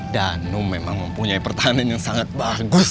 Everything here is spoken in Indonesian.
danu memang mempunyai pertahanan yang sangat bagus